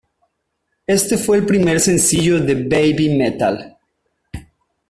Este fue el primer sencillo de Babymetal.